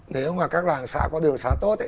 nếu mà các làng xã có đường xã tốt